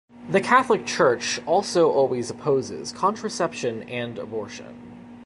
The Catholic Church also always opposes contraception and abortion.